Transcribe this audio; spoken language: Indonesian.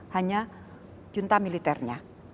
hanya yunta militernya